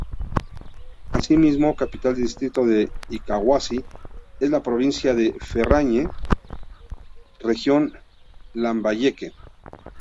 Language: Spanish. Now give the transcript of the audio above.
Es asimismo capital del distrito de Incahuasi en la provincia de Ferreñafe, región Lambayeque.